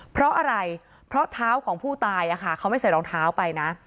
เพราะอะไรเพราะเท้าของผู้ตายเขาไม่ใส่รองเท้าไปนะ